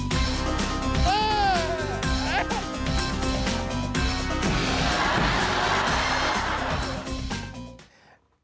โอ้โฮ